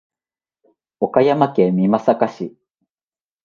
岡山県美作市